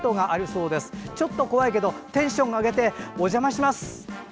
ちょっと怖いけどテンション上げてお邪魔します！